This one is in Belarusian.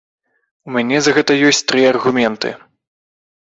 У мяне за гэта ёсць тры аргументы.